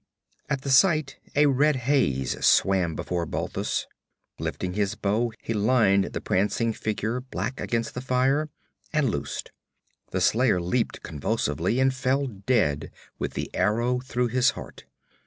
At the sight a red haze swam before Balthus. Lifting his bow he lined the prancing figure, black against the fire, and loosed. The slayer leaped convulsively and fell dead with the arrow through his heart.